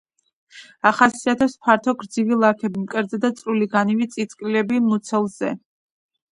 ახასიათებს ფართო გრძივი ლაქები მკერდზე და წვრილი განივი წინწკლები მუცელზე.